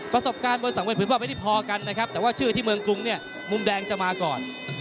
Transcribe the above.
ประสบการณ์มวยสังเวยผืนว่าไม่ได้พอกันนะครับแต่ว่าชื่อที่เมืองกรุงเนี่ยมุมแดงจะมาก่อน